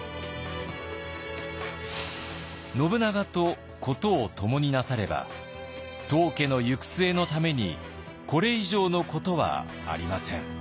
「信長と事をともになされば当家の行く末のためにこれ以上のことはありません」。